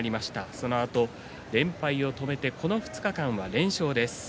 そのあと連敗を止めてこの２日間は連勝です。